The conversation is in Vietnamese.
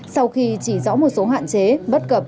sau khi chỉ rõ một số hạn chế bất cập